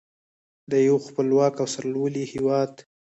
د یو خپلواک او سرلوړي هیواد.